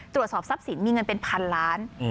ตรวจสอบทรัพย์สินมีเงินเป็นพันล้าน